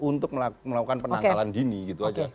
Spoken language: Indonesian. untuk melakukan penangkalan dini gitu aja